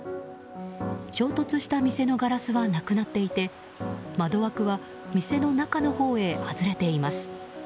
衝突した店のガラスはなくなっていて窓枠は店の中のほうへ外れています。